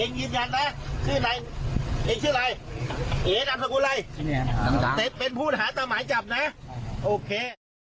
เองยืนยันนะเองชื่ออะไรเอ๋นอัมสกุลัยเต็มเป็นผู้หาตามหายจับนะโอเค